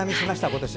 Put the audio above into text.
今年。